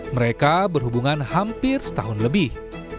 mereka berhubungan hampir setahun lebih